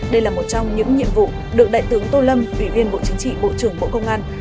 đây là một trong những nhiệm vụ được đại tướng tô lâm ủy viên bộ chính trị bộ trưởng bộ công an